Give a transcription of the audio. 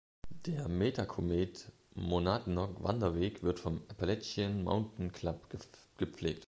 Der Metacomet-Monadnock-Wanderweg wird vom "Appalachian Mountain Club" gepflegt.